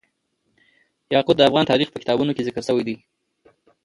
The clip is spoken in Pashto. یاقوت د افغان تاریخ په کتابونو کې ذکر شوی دي.